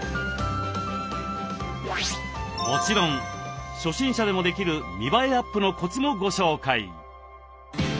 もちろん初心者でもできる見栄えアップのコツもご紹介！